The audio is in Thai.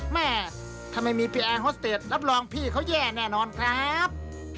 แม่ถ้าไม่มีพี่แอร์ฮอสเตจรับรองพี่เขาแย่แน่นอนครับ